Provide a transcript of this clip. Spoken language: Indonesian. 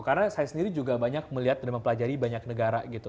karena saya sendiri juga banyak melihat dan mempelajari banyak negara gitu